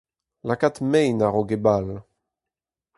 Lakaat mein a-raok e bal.